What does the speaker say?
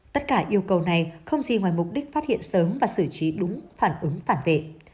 tất cả yêu cầu này không gì ngoài mục đích phát hiện sớm và xử trí đúng phản ứng phản vệ